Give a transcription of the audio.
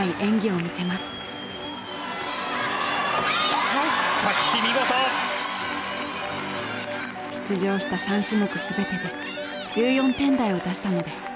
３種目全てで１４点台を出したのです。